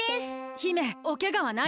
姫おけがはないですか？